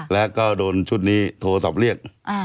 แล้วก็โดนชุดนี้โทรศัพท์เรียก